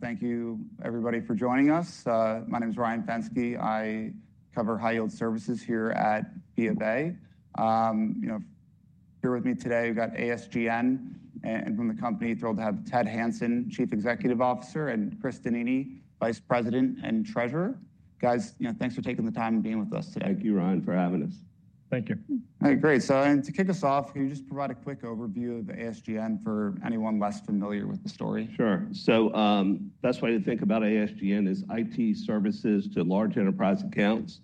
Thank you, everybody, for joining us. My name is Ryan Fenske. I cover high-yield services here at BofA. You know, here with me today, we've got ASGN and, from the company, thrilled to have Ted Hanson, Chief Executive Officer, and Chris Donnini, Vice President and Treasurer. Guys, you know, thanks for taking the time and being with us today. Thank you, Ryan, for having us. Thank you. All right, great. So, and to kick us off, can you just provide a quick overview of ASGN for anyone less familiar with the story? Sure. So, best way to think about ASGN is IT services to large enterprise accounts.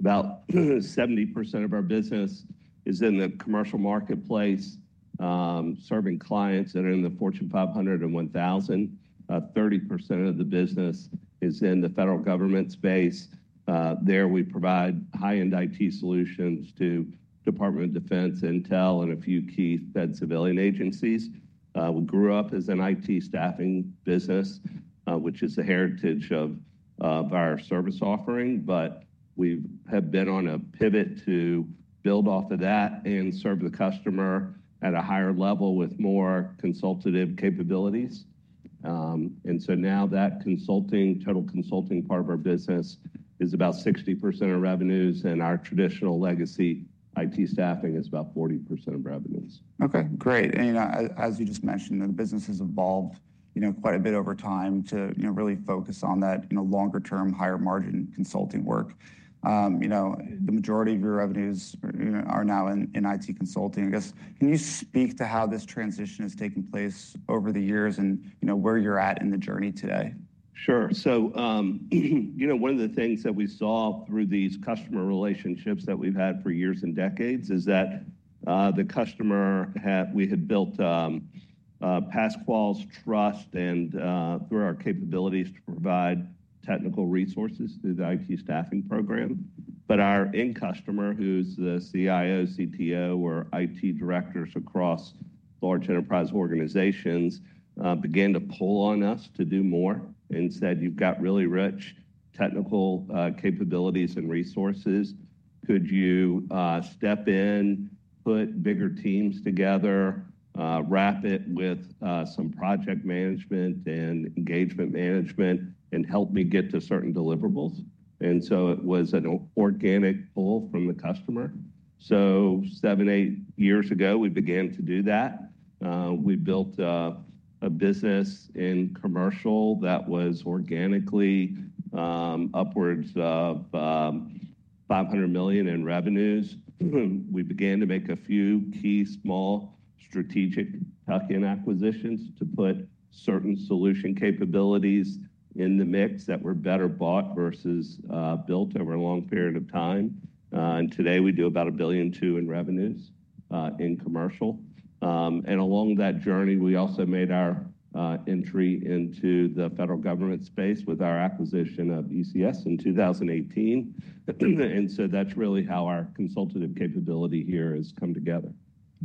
About 70% of our business is in the commercial marketplace, serving clients that are in the Fortune 500 and 1000. 30% of the business is in the federal government space. There, we provide high-end IT solutions to the Department of Defense, Intel, and a few key Fed Civilian agencies. We grew up as an IT staffing business, which is the heritage of our service offering, but we have been on a pivot to build off of that and serve the customer at a higher level with more consultative capabilities. And so now that consulting, total consulting part of our business is about 60% of revenues, and our traditional legacy IT staffing is about 40% of revenues. Okay, great. And, you know, as you just mentioned, the business has evolved, you know, quite a bit over time to, you know, really focus on that, you know, longer-term, higher-margin consulting work. You know, the majority of your revenues are now in IT consulting. I guess, can you speak to how this transition has taken place over the years and, you know, where you're at in the journey today? Sure. So, you know, one of the things that we saw through these customer relationships that we've had for years and decades is that we had built trust and through our capabilities to provide technical resources through the IT staffing program. But our end customer, who's the CIO, CTO, or IT directors across large enterprise organizations, began to pull on us to do more and said, "You've got really rich technical capabilities and resources. Could you step in, put bigger teams together, wrap it with some project management and engagement management, and help me get to certain deliverables?" and so it was an organic pull from the customer, so seven, eight years ago, we began to do that. We built a business in commercial that was organically upwards of $500 million in revenues. We began to make a few key small strategic tuck-in acquisitions to put certain solution capabilities in the mix that were better bought versus built over a long period of time. And today, we do about $1.2 billion in revenues in commercial. And along that journey, we also made our entry into the federal government space with our acquisition of ECS in 2018. And so that's really how our consultative capability here has come together.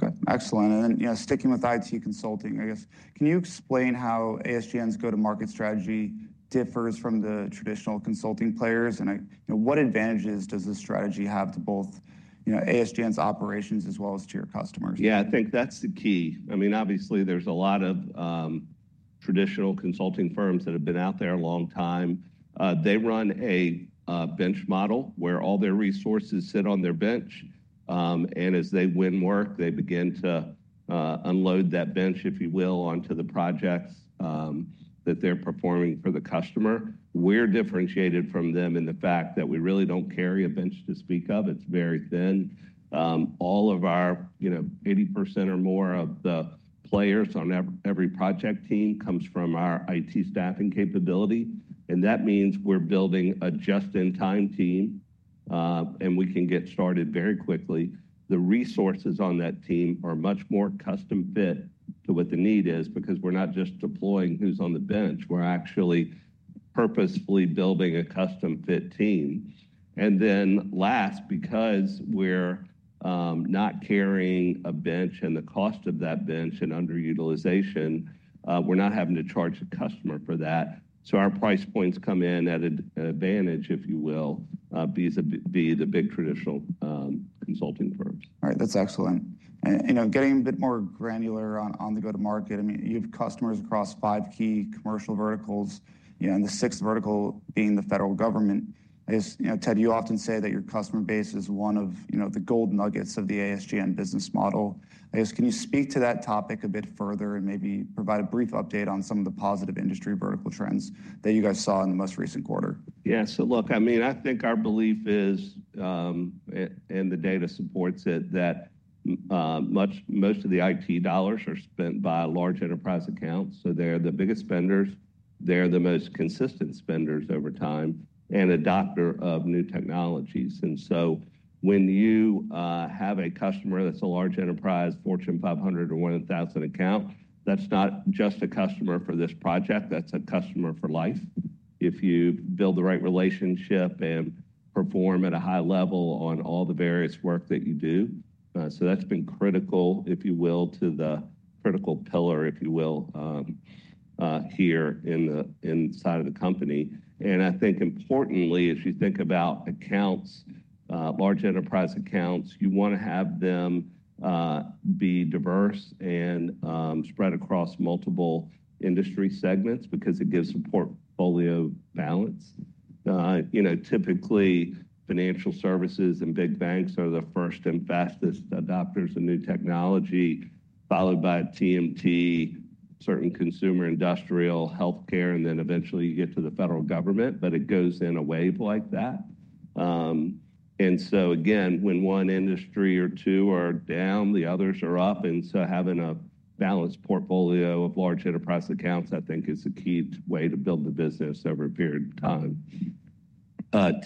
Okay, excellent, and then, you know, sticking with IT consulting, I guess, can you explain how ASGN's go-to-market strategy differs from the traditional consulting players, and, you know, what advantages does this strategy have to both, you know, ASGN's operations as well as to your customers? Yeah, I think that's the key. I mean, obviously, there's a lot of traditional consulting firms that have been out there a long time. They run a bench model where all their resources sit on their bench, and as they win work, they begin to unload that bench, if you will, onto the projects that they're performing for the customer. We're differentiated from them in the fact that we really don't carry a bench to speak of. It's very thin. All of our, you know, 80% or more of the players on every project team comes from our IT staffing capability. And that means we're building a just-in-time team, and we can get started very quickly. The resources on that team are much more custom-fit to what the need is because we're not just deploying who's on the bench. We're actually purposefully building a custom-fit team. And then last, because we're not carrying a bench and the cost of that bench and underutilization, we're not having to charge the customer for that. So our price points come in at an advantage, if you will, over the big traditional consulting firms. All right, that's excellent. And, you know, getting a bit more granular on the go-to-market, I mean, you have customers across five key commercial verticals, you know, and the sixth vertical being the federal government. I guess, you know, Ted, you often say that your customer base is one of, you know, the gold nuggets of the ASGN business model. I guess, can you speak to that topic a bit further and maybe provide a brief update on some of the positive industry vertical trends that you guys saw in the most recent quarter? Yeah, so look, I mean, I think our belief is, and the data supports it, that most of the IT dollars are spent by large enterprise accounts. So they're the biggest spenders. They're the most consistent spenders over time and adopter of new technologies. And so when you have a customer that's a large enterprise, Fortune 500 or 1000 account, that's not just a customer for this project. That's a customer for life. If you build the right relationship and perform at a high level on all the various work that you do, so that's been critical, if you will, to the critical pillar, if you will, here inside of the company. And I think importantly, if you think about accounts, large enterprise accounts, you want to have them be diverse and spread across multiple industry segments because it gives a portfolio balance. You know, typically, financial services and big banks are the first and fastest adopters of new technology, followed by TMT, certain Consumer Industrial, healthcare, and then eventually you get to the federal government, but it goes in a wave like that. And so, again, when one industry or two are down, the others are up. And so having a balanced portfolio of large enterprise accounts, I think, is a key way to build the business over a period of time.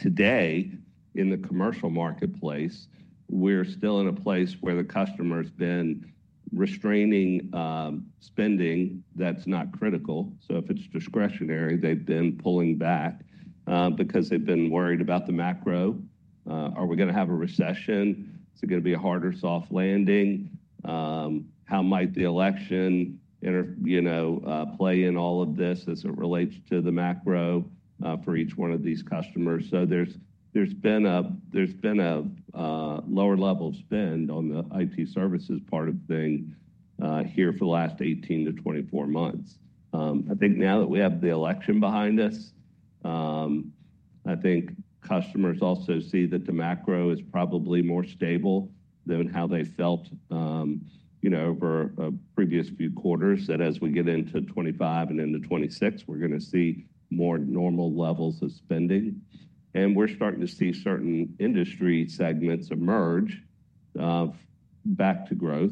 Today, in the commercial marketplace, we're still in a place where the customer's been restraining spending that's not critical. So if it's discretionary, they've been pulling back because they've been worried about the macro. Are we going to have a recession? Is it going to be a hard or soft landing? How might the election, you know, play in all of this as it relates to the macro for each one of these customers? So there's been a lower level of spend on the IT services part of things here for the last 18 to 24 months. I think now that we have the election behind us, I think customers also see that the macro is probably more stable than how they felt, you know, over previous few quarters, that as we get into 2025 and into 2026, we're going to see more normal levels of spending. And we're starting to see certain industry segments emerge back to growth,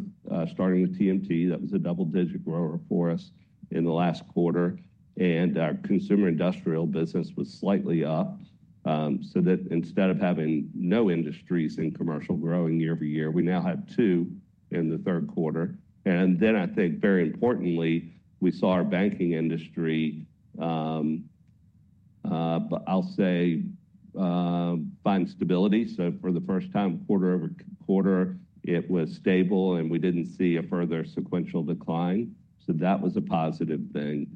starting with TMT. That was a double-digit grower for us in the last quarter. Our Consumer Industrial business was slightly up, so that instead of having no industries in commercial growing year over year, we now have two in the third quarter. Then, I think, very importantly, we saw our banking industry, I'll say, find stability. For the first time, quarter-over-quarter, it was stable, and we didn't see a further sequential decline. That was a positive thing.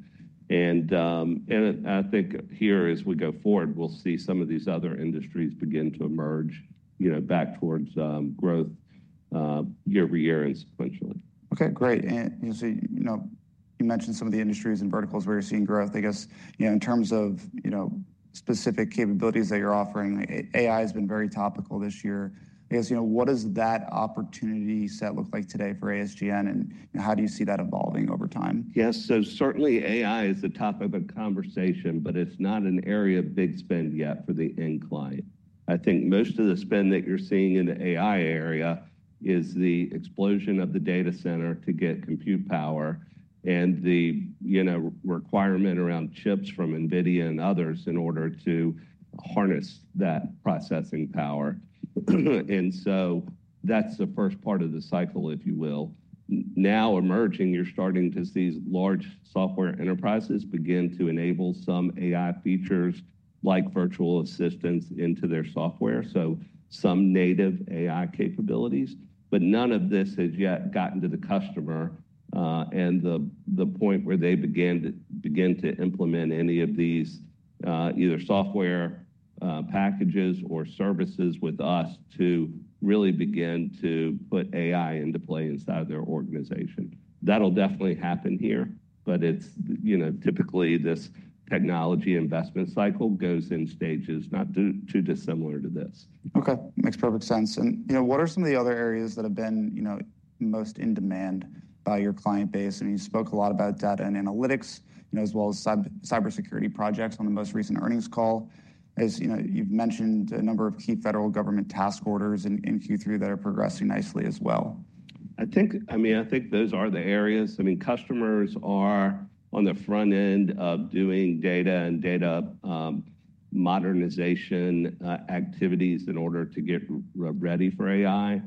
I think here, as we go forward, we'll see some of these other industries begin to emerge, you know, back towards growth year over year and sequentially. Okay, great. You know, so you mentioned some of the industries and verticals where you're seeing growth. I guess, you know, in terms of, you know, specific capabilities that you're offering, AI has been very topical this year. I guess, you know, what does that opportunity set look like today for ASGN, and how do you see that evolving over time? Yes, so certainly AI is the topic of conversation, but it's not an area of big spend yet for the end client. I think most of the spend that you're seeing in the AI area is the explosion of the data center to get compute power and the, you know, requirement around chips from NVIDIA and others in order to harness that processing power. And so that's the first part of the cycle, if you will. Now emerging, you're starting to see large software enterprises begin to enable some AI features like virtual assistants into their software, so some native AI capabilities. But none of this has yet gotten to the customer and the point where they begin to implement any of these either software packages or services with us to really begin to put AI into play inside of their organization. That'll definitely happen here, but it's, you know, typically this technology investment cycle goes in stages, not too dissimilar to this. Okay, makes perfect sense. And, you know, what are some of the other areas that have been, you know, most in demand by your client base? I mean, you spoke a lot about data and analytics, you know, as well as cybersecurity projects on the most recent earnings call. As you know, you've mentioned a number of key federal government task orders in Q3 that are progressing nicely as well. I think, I mean, I think those are the areas. I mean, customers are on the front end of doing data and data modernization activities in order to get ready for AI.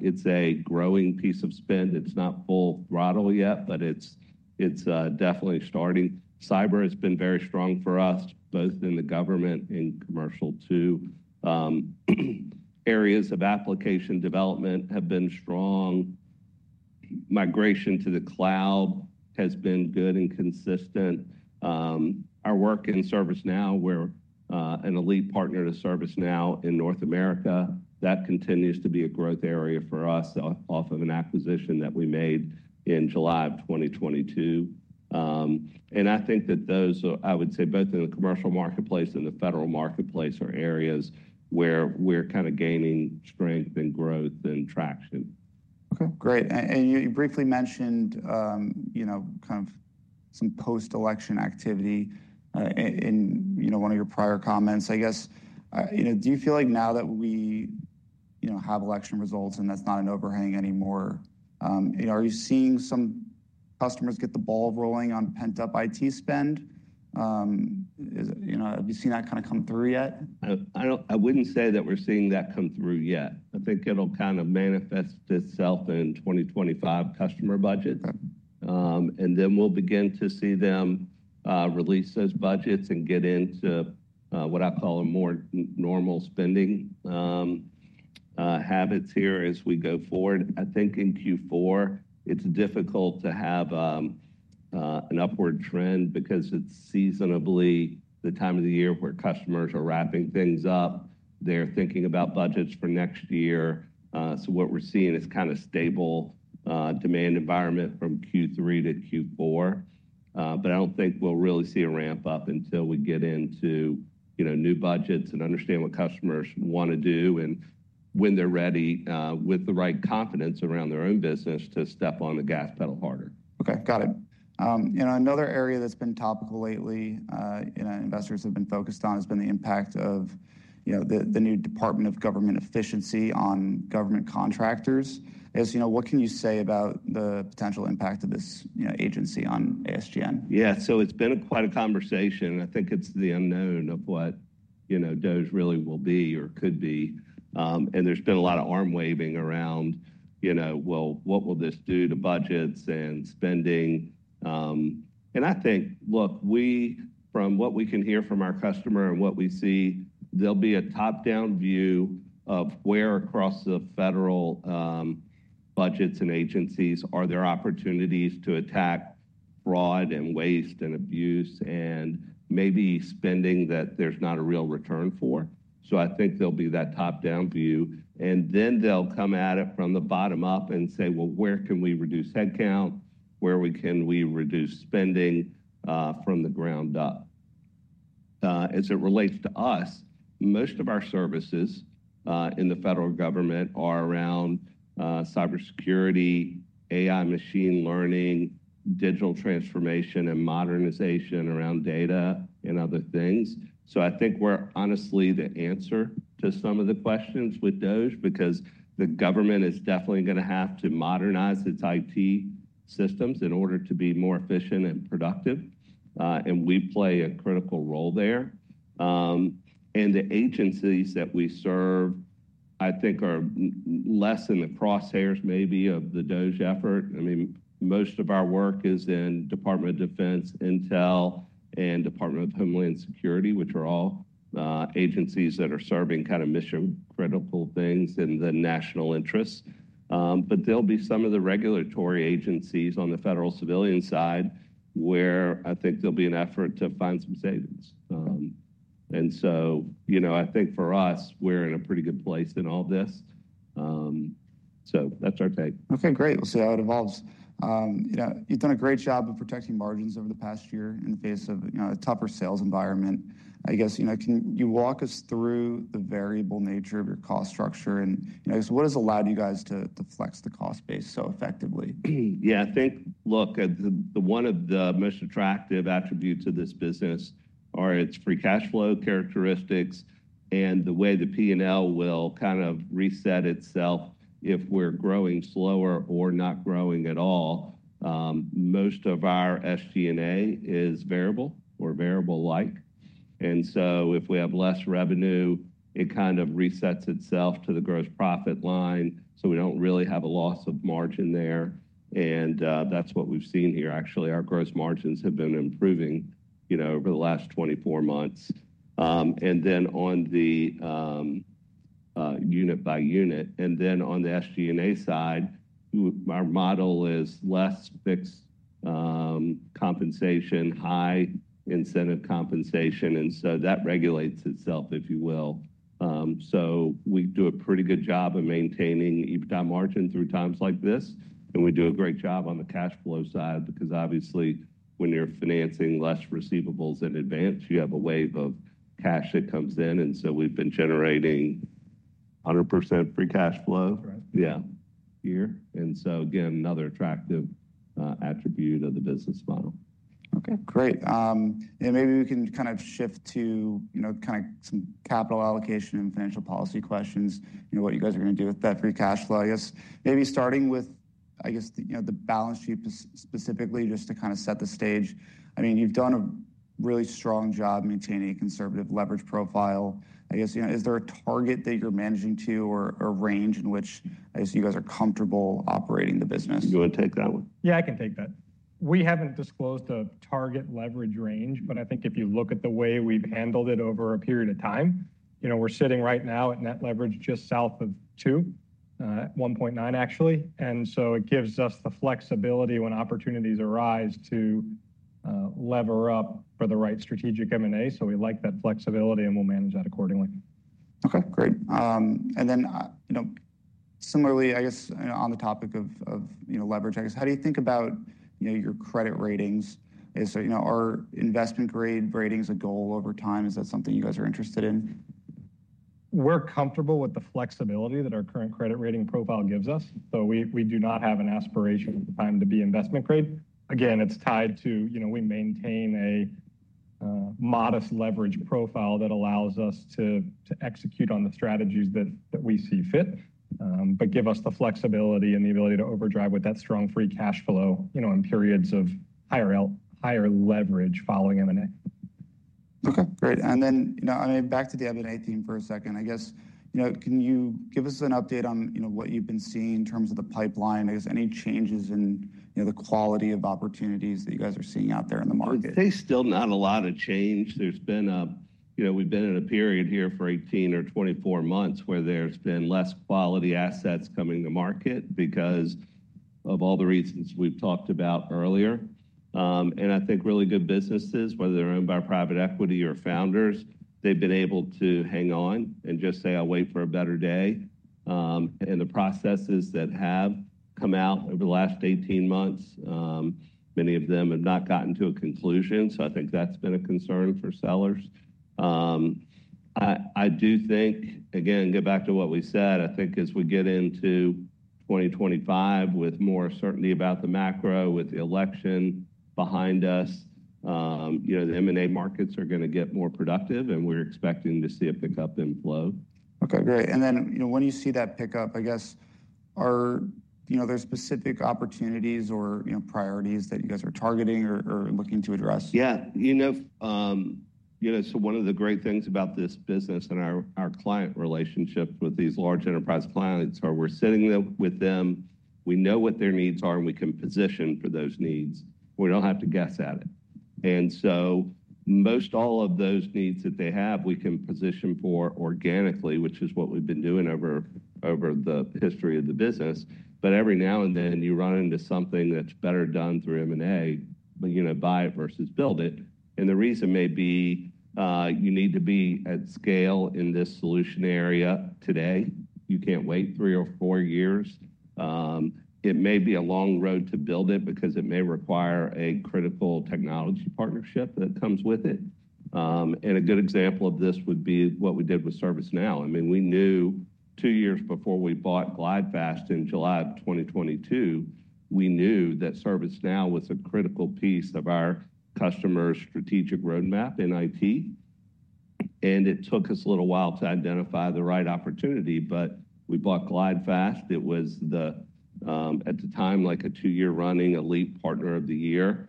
It's a growing piece of spend. It's not full throttle yet, but it's definitely starting. Cyber has been very strong for us, both in the government and commercial too. Areas of application development have been strong. Migration to the cloud has been good and consistent. Our work in ServiceNow, we're an elite partner to ServiceNow in North America. That continues to be a growth area for us off of an acquisition that we made in July of 2022. And I think that those, I would say, both in the commercial marketplace and the federal marketplace are areas where we're kind of gaining strength and growth and traction. Okay, great. And you briefly mentioned, you know, kind of some post-election activity in, you know, one of your prior comments. I guess, you know, do you feel like now that we, you know, have election results and that's not an overhang anymore, you know, are you seeing some customers get the ball rolling on pent-up IT spend? You know, have you seen that kind of come through yet? I wouldn't say that we're seeing that come through yet. I think it'll kind of manifest itself in 2025 customer budgets, and then we'll begin to see them release those budgets and get into what I call a more normal spending habits here as we go forward. I think in Q4, it's difficult to have an upward trend because it's seasonally the time of the year where customers are wrapping things up. They're thinking about budgets for next year. So what we're seeing is kind of stable demand environment from Q3 to Q4. But I don't think we'll really see a ramp up until we get into, you know, new budgets and understand what customers want to do and when they're ready with the right confidence around their own business to step on the gas pedal harder. Okay, got it. You know, another area that's been topical lately, you know, investors have been focused on has been the impact of, you know, the new Department of Government Efficiency on government contractors. I guess, you know, what can you say about the potential impact of this, you know, agency on ASGN? Yeah, so it's been quite a conversation. I think it's the unknown of what, you know, DOGE really will be or could be, and there's been a lot of arm waving around, you know, well, what will this do to budgets and spending, and I think, look, we, from what we can hear from our customer and what we see, there'll be a top-down view of where across the federal budgets and agencies are there opportunities to attack fraud and waste and abuse and maybe spending that there's not a real return for, so I think there'll be that top-down view, and then they'll come at it from the bottom up and say, well, where can we reduce headcount? Where can we reduce spending from the ground up? As it relates to us, most of our services in the federal government are around cybersecurity, AI, machine learning, digital transformation, and modernization around data and other things. So I think we're honestly the answer to some of the questions with DOGE because the government is definitely going to have to modernize its IT systems in order to be more efficient and productive. And we play a critical role there. And the agencies that we serve, I think, are less in the crosshairs maybe of the DOGE effort. I mean, most of our work is in Department of Defense, Intel, and Department of Homeland Security, which are all agencies that are serving kind of mission-critical things in the national interests. But there'll be some of the regulatory agencies on the federal civilian side where I think there'll be an effort to find some savings. You know, I think for us, we're in a pretty good place in all this. That's our take. Okay, great. We'll see how it evolves. You know, you've done a great job of protecting margins over the past year in the face of, you know, a tougher sales environment. I guess, you know, can you walk us through the variable nature of your cost structure and, you know, I guess what has allowed you guys to flex the cost base so effectively? Yeah, I think, look, one of the most attractive attributes of this business are its free cash flow characteristics and the way the P&L will kind of reset itself if we're growing slower or not growing at all. Most of our SG&A is variable or variable-like. And so if we have less revenue, it kind of resets itself to the gross profit line. So we don't really have a loss of margin there. And that's what we've seen here. Actually, our gross margins have been improving, you know, over the last 24 months. And then on the unit by unit, and then on the SG&A side, our model is less fixed compensation, high incentive compensation. And so that regulates itself, if you will. So we do a pretty good job of maintaining EBITDA margin through times like this. And we do a great job on the cash flow side because obviously when you're financing less receivables in advance, you have a wave of cash that comes in. And so we've been generating 100% free cash flow, yeah, here. And so, again, another attractive attribute of the business model. Okay, great, and maybe we can kind of shift to, you know, kind of some capital allocation and financial policy questions, you know, what you guys are going to do with that free cash flow. I guess maybe starting with, I guess, you know, the balance sheet specifically just to kind of set the stage. I mean, you've done a really strong job maintaining a conservative leverage profile. I guess, you know, is there a target that you're managing to or a range in which, I guess, you guys are comfortable operating the business? You want to take that one? Yeah, I can take that. We haven't disclosed a target leverage range, but I think if you look at the way we've handled it over a period of time, you know, we're sitting right now at net leverage just south of 2, 1.9 actually. And so it gives us the flexibility when opportunities arise to lever up for the right strategic M&A. So we like that flexibility and we'll manage that accordingly. Okay, great. And then, you know, similarly, I guess on the topic of, you know, leverage, I guess, how do you think about, you know, your credit ratings? So, you know, are investment-grade ratings a goal over time? Is that something you guys are interested in? We're comfortable with the flexibility that our current credit rating profile gives us. So we do not have an aspiration at the time to be investment-grade. Again, it's tied to, you know, we maintain a modest leverage profile that allows us to execute on the strategies that we see fit, but give us the flexibility and the ability to overdrive with that strong free cash flow, you know, in periods of higher leverage following M&A. Okay, great, and then, you know, I mean, back to the EBITDA theme for a second, I guess, you know, can you give us an update on, you know, what you've been seeing in terms of the pipeline? I guess any changes in, you know, the quality of opportunities that you guys are seeing out there in the market? I'd say still not a lot of change. There's been, you know, we've been in a period here for 18 or 24 months where there's been less quality assets coming to market because of all the reasons we've talked about earlier. And I think really good businesses, whether they're owned by private equity or founders, they've been able to hang on and just say, "I'll wait for a better day." And the processes that have come out over the last 18 months, many of them have not gotten to a conclusion. So I think that's been a concern for sellers. I do think, again, get back to what we said, I think as we get into 2025 with more certainty about the macro, with the election behind us, you know, the M&A markets are going to get more productive and we're expecting to see a pickup in flow. Okay, great. And then, you know, when you see that pickup, I guess, you know, there's specific opportunities or, you know, priorities that you guys are targeting or looking to address? Yeah, you know, so one of the great things about this business and our client relationship with these large enterprise clients is where we're sitting with them. We know what their needs are and we can position for those needs. We don't have to guess at it. And so most all of those needs that they have, we can position for organically, which is what we've been doing over the history of the business. But every now and then you run into something that's better done through M&A, you know, buy it versus build it. And the reason may be you need to be at scale in this solution area today. You can't wait three or four years. It may be a long road to build it because it may require a critical technology partnership that comes with it. And a good example of this would be what we did with ServiceNow. I mean, we knew two years before we bought GlideFast in July of 2022, we knew that ServiceNow was a critical piece of our customer's strategic roadmap in IT. And it took us a little while to identify the right opportunity, but we bought GlideFast. It was the, at the time, like a two-year running elite partner of the year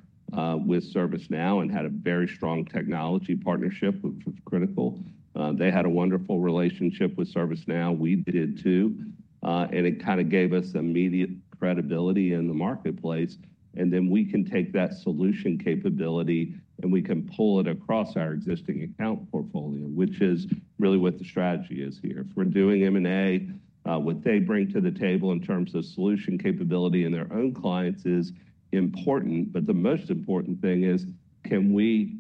with ServiceNow and had a very strong technology partnership, which was critical. They had a wonderful relationship with ServiceNow. We did too. And it kind of gave us immediate credibility in the marketplace. And then we can take that solution capability and we can pull it across our existing account portfolio, which is really what the strategy is here. If we're doing M&A, what they bring to the table in terms of solution capability and their own clients is important, but the most important thing is can we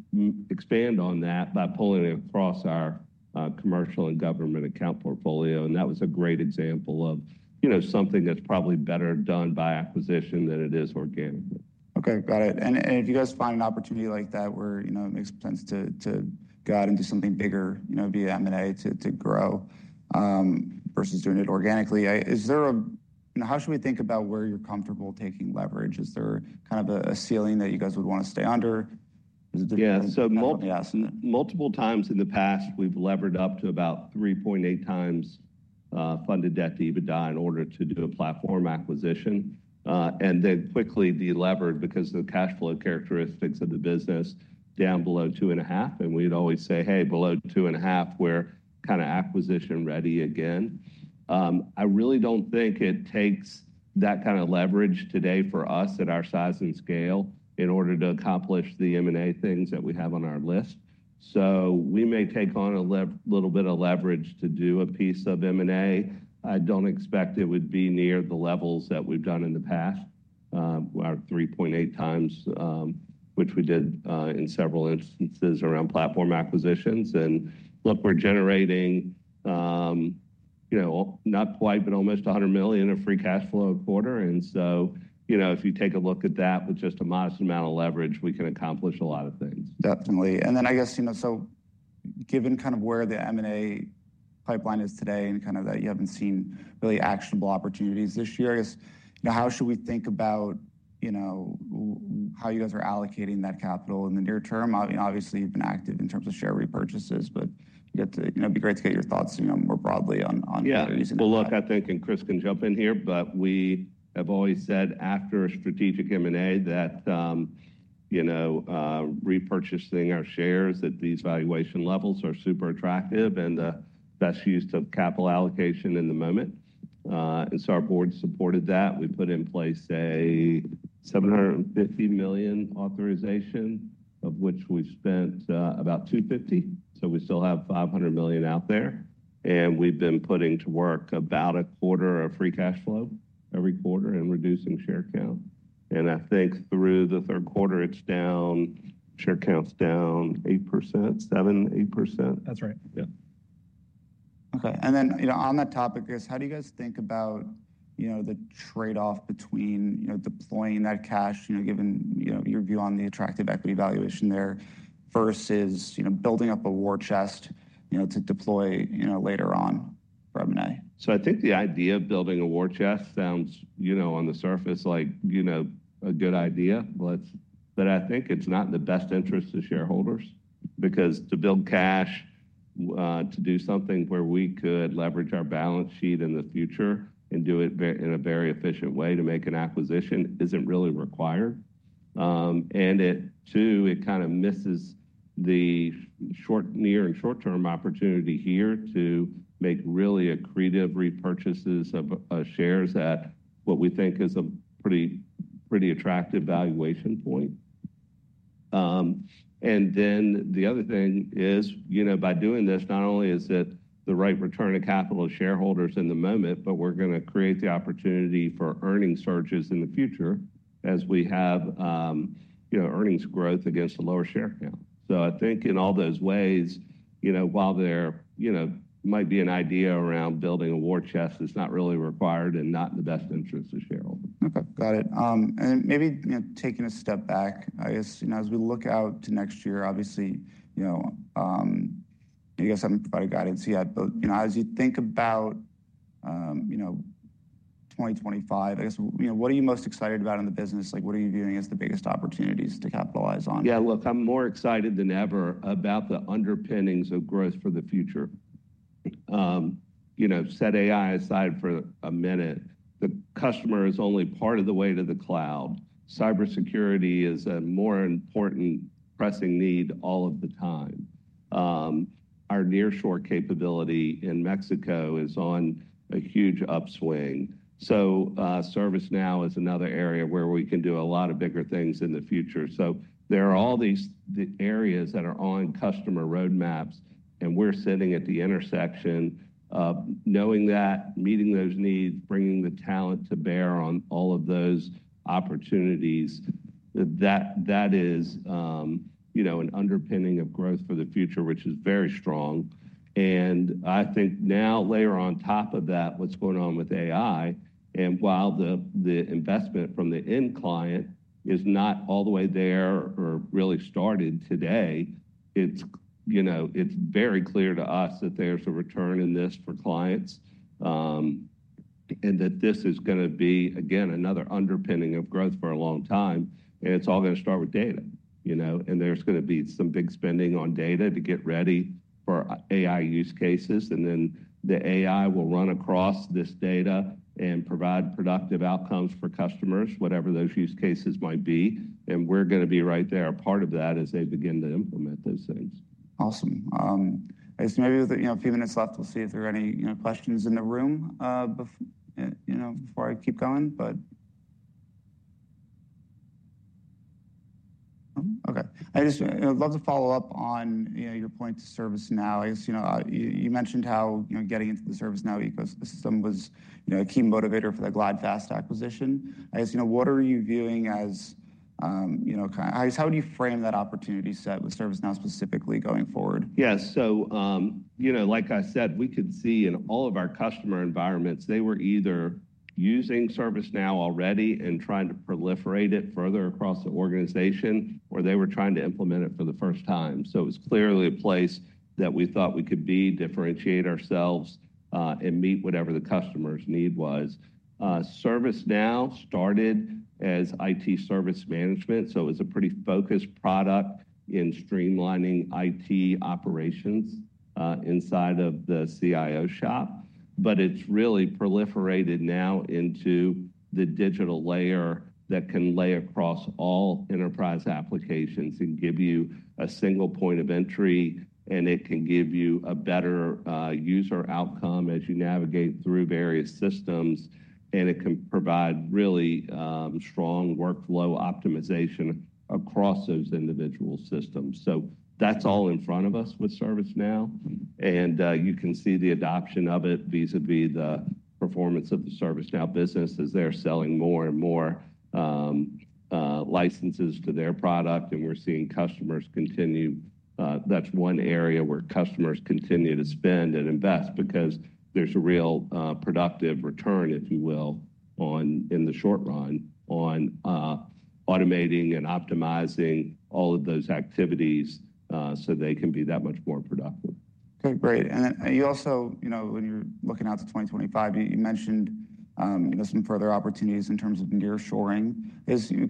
expand on that by pulling it across our commercial and government account portfolio, and that was a great example of, you know, something that's probably better done by acquisition than it is organically. Okay, got it. And if you guys find an opportunity like that where, you know, it makes sense to go out and do something bigger, you know, via M&A to grow versus doing it organically, is there a, you know, how should we think about where you're comfortable taking leverage? Is there kind of a ceiling that you guys would want to stay under? Yeah, so multiple times in the past, we've levered up to about 3.8x funded debt to EBITDA in order to do a platform acquisition. And then quickly de-levered because of the cash flow characteristics of the business down below two and a half. And we'd always say, "Hey, below two and a half, we're kind of acquisition ready again." I really don't think it takes that kind of leverage today for us at our size and scale in order to accomplish the M&A things that we have on our list. So we may take on a little bit of leverage to do a piece of M&A. I don't expect it would be near the levels that we've done in the past, our 3.8x, which we did in several instances around platform acquisitions. And look, we're generating, you know, not quite, but almost $100 million of free cash flow a quarter. And so, you know, if you take a look at that with just a modest amount of leverage, we can accomplish a lot of things. Definitely. And then I guess, you know, so given kind of where the M&A pipeline is today and kind of that you haven't seen really actionable opportunities this year, I guess, you know, how should we think about, you know, how you guys are allocating that capital in the near term? I mean, obviously you've been active in terms of share repurchases, but you'd have to, you know, it'd be great to get your thoughts, you know, more broadly on these things. Yeah, well, look. I think, and Chris can jump in here, but we have always said after a strategic M&A that, you know, repurchasing our shares at these valuation levels are super attractive and the best use of capital allocation in the moment. And so our board supported that. We put in place a $750 million authorization, of which we spent about $250 million. So we still have $500 million out there. And we've been putting to work about a quarter of free cash flow every quarter and reducing share count. And I think through the third quarter, it's down, share count's down 7%-8%. That's right. Yeah. Okay. And then, you know, on that topic, I guess, how do you guys think about, you know, the trade-off between, you know, deploying that cash, you know, given, you know, your view on the attractive equity valuation there versus, you know, building up a war chest, you know, to deploy, you know, later on for M&A? I think the idea of building a war chest sounds, you know, on the surface like, you know, a good idea. But I think it's not in the best interest of shareholders because to build cash, to do something where we could leverage our balance sheet in the future and do it in a very efficient way to make an acquisition isn't really required. And it, too, kind of misses the short-term and near-term opportunity here to make really accretive repurchases of shares at what we think is a pretty attractive valuation point. And then the other thing is, you know, by doing this, not only is it the right return of capital to shareholders in the moment, but we're going to create the opportunity for earnings surges in the future as we have, you know, earnings growth against a lower share count. So I think in all those ways, you know, while there, you know, might be an idea around building a war chest, it's not really required and not in the best interest of shareholders. Okay, got it. And maybe, you know, taking a step back, I guess, you know, as we look out to next year, obviously, you know, I guess I haven't provided guidance yet, but, you know, as you think about, you know, 2025, I guess, you know, what are you most excited about in the business? Like, what are you viewing as the biggest opportunities to capitalize on? Yeah, look, I'm more excited than ever about the underpinnings of growth for the future. You know, set AI aside for a minute. The customer is only part of the way to the cloud. Cybersecurity is a more important pressing need all of the time. Our nearshore capability in Mexico is on a huge upswing. So ServiceNow is another area where we can do a lot of bigger things in the future. So there are all these areas that are on customer roadmaps, and we're sitting at the intersection of knowing that, meeting those needs, bringing the talent to bear on all of those opportunities. That is, you know, an underpinning of growth for the future, which is very strong. And I think now, layer on top of that, what's going on with AI. While the investment from the end client is not all the way there or really started today, it's, you know, it's very clear to us that there's a return in this for clients and that this is going to be, again, another underpinning of growth for a long time. And it's all going to start with data, you know, and there's going to be some big spending on data to get ready for AI use cases. And then the AI will run across this data and provide productive outcomes for customers, whatever those use cases might be. And we're going to be right there. Part of that is they begin to implement those things. Awesome. I guess maybe with, you know, a few minutes left, we'll see if there are any, you know, questions in the room before, you know, before I keep going, but. Okay. I just, you know, love to follow up on, you know, your point to ServiceNow. I guess, you know, you mentioned how, you know, getting into the ServiceNow ecosystem was, you know, a key motivator for the GlideFast acquisition. I guess, you know, what are you viewing as, you know, kind of, I guess, how would you frame that opportunity set with ServiceNow specifically going forward? Yeah, so, you know, like I said, we could see in all of our customer environments, they were either using ServiceNow already and trying to proliferate it further across the organization, or they were trying to implement it for the first time. So it was clearly a place that we thought we could be, differentiate ourselves and meet whatever the customer's need was. ServiceNow started as IT service management, so it was a pretty focused product in streamlining IT operations inside of the CIO shop. But it's really proliferated now into the digital layer that can lay across all enterprise applications and give you a single point of entry, and it can give you a better user outcome as you navigate through various systems. And it can provide really strong workflow optimization across those individual systems. So that's all in front of us with ServiceNow. And you can see the adoption of it vis-à-vis the performance of the ServiceNow business as they're selling more and more licenses to their product. And we're seeing customers continue. That's one area where customers continue to spend and invest because there's a real productive return, if you will, in the short run on automating and optimizing all of those activities so they can be that much more productive. Okay, great, and then you also, you know, when you're looking out to 2025, you mentioned, you know, some further opportunities in terms of nearshoring.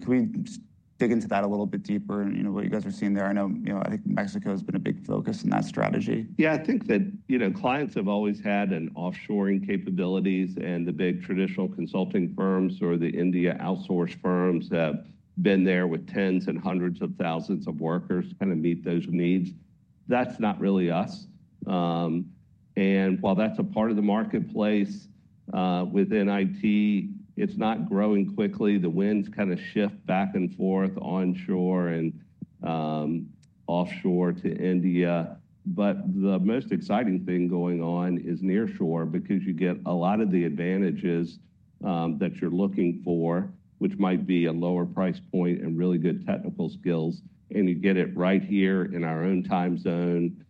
Can we dig into that a little bit deeper and, you know, what you guys are seeing there? I know, you know, I think Mexico has been a big focus in that strategy. Yeah, I think that, you know, clients have always had an offshoring capabilities, and the big traditional consulting firms or the India outsource firms have been there with tens and hundreds of thousands of workers to kind of meet those needs. That's not really us, and while that's a part of the marketplace within IT, it's not growing quickly, the winds kind of shift back and forth onshore and offshore to India, but the most exciting thing going on is nearshore because you get a lot of the advantages that you're looking for, which might be a lower price point and really good technical skills, and you get it right here in our own time zone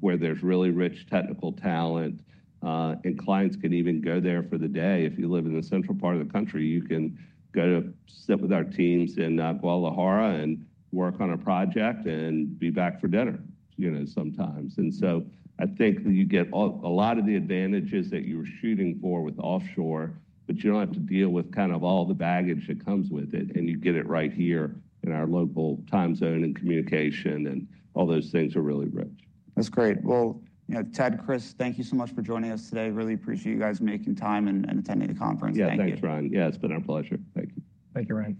where there's really rich technical talent, and clients can even go there for the day. If you live in the central part of the country, you can go to sit with our teams in Guadalajara and work on a project and be back for dinner, you know, sometimes. And so I think you get a lot of the advantages that you were shooting for with offshore, but you don't have to deal with kind of all the baggage that comes with it. And you get it right here in our local time zone and communication, and all those things are really rich. That's great. Well, you know, Ted, Chris, thank you so much for joining us today. Really appreciate you guys making time and attending the conference. Thank you. Yeah, thanks, Ryan. Yeah, it's been our pleasure. Thank you. Thank you, Ryan.